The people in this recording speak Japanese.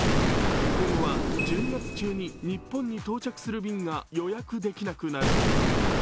今後は１２月中に日本に到着する便が予約できなくなる。